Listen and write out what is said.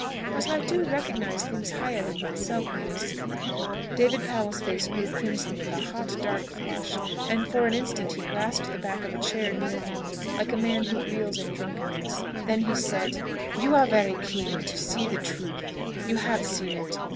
But I do recognise things higher than myself when I see them." David Powell's face grew crimson with a hot, dark flush, and for an instant he grasped the back of a chair near him, like a man who reels in drunkenness. Then he said, "You are very keen to see the truth. You have seen it.